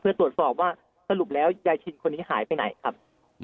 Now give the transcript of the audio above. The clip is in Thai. เพื่อตรวจสอบว่าสรุปแล้วยายชินคนนี้หายไปไหนครับ